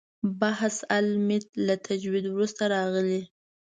بحث المیت له تجوید وروسته راغلی.